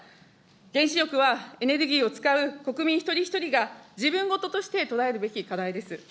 原子力は、エネルギーを使う国民一人一人が自分事として捉えるべき課題です。